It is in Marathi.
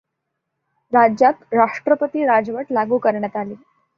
राज्यात राष्ट्रपती राजवट लागू करण्यात आली.